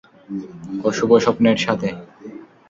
অশুভ স্বপ্নের সাথে!